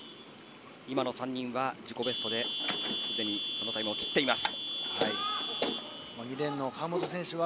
今の３人は、自己ベストですでにそのタイムを切っています。